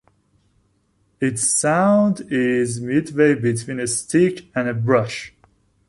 Its sound is midway between a stick and a brush.